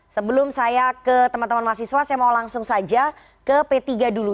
sebelum saya ke teman teman mahasiswa saya mau langsung saja ke p tiga dulu